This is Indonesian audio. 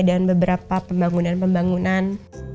dan beberapa pembangunan pembangunan